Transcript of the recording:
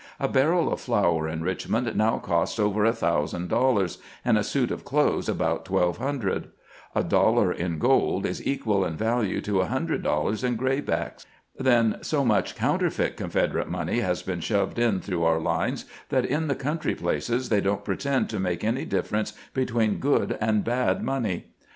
A barrel of flour in Richmond now costs over a thousand dollars, and a suit of clothes about twelve hundred, A dollar in gold is equal in value to a hundred dollars in graybacks. Then so much coun terfeit Confederate money has been shoved in through our lines that in the country places they don't pretend to make any difference between good and bad money.